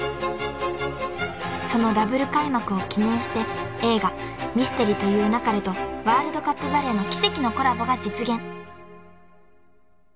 ［そのＷ開幕を記念して映画『ミステリと言う勿れ』とワールドカップバレーの奇跡のコラボが実現］